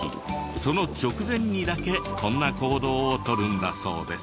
その直前にだけこんな行動を取るんだそうです。